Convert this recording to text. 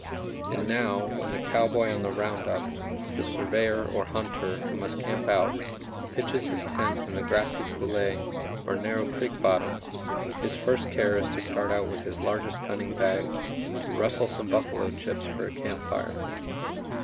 And now, when the cowboy on the round up, the surveyor, or hunter, who must camp out, pitches his tent in the grassy coulée or narrow creek bottom, his first care is to start out with his largest gunning bag to "rustle some buffalo chips" for a campfire.